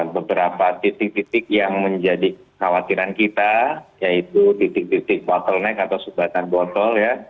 beberapa titik titik yang menjadi khawatiran kita yaitu titik titik bottleneck atau subatan botol ya